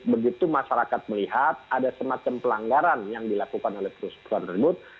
begitu masyarakat melihat ada semacam pelanggaran yang dilakukan oleh perusahaan perusahaan tersebut